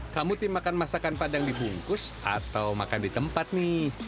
kamu tim makan masakan padang dibungkus atau makan di tempat nih